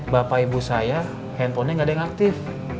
bapak ibu saya handphonenya nggak ada yang aktif